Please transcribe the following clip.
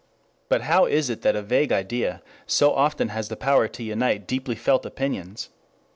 3 But how is it that a vague idea so often has the power to unite deeply felt opinions?